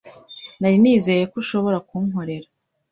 Nari nizeye ko ushobora kunkorera.